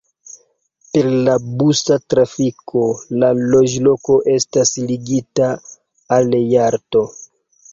Per la busa trafiko la loĝloko estas ligita al Jalto.